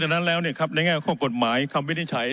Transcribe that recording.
จากนั้นแล้วเนี่ยครับในแง่ข้อกฎหมายคำวินิจัย